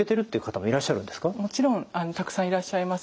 もちろんたくさんいらっしゃいます。